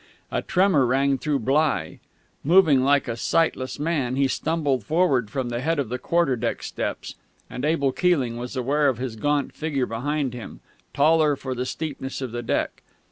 A tremor rang through Bligh. Moving like a sightless man, he stumbled forward from the head of the quarter deck steps, and Abel Keeling was aware of his gaunt figure behind him, taller for the steepness of the deck.